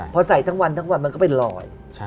พอใส่ทั้งวันมันก็เป็นรอย